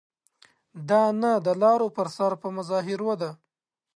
دا نه د لارو پر سر په مظاهرو ده.